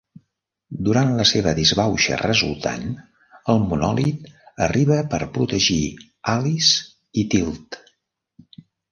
Durant la seva disbauxa resultant, el Monòlit arriba per protegir Alice i Tilt.